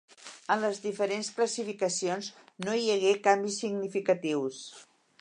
En les diferents classificacions no hi hagué canvis significatius.